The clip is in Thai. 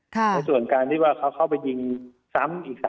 ในส่วนการที่ว่าเขาเข้าไปยิงซ้ำอีก